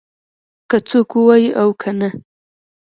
که څوک ووایي او کنه